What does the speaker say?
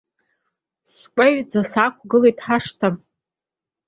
Скәаҩӡа саақәгылеит ҳашҭа.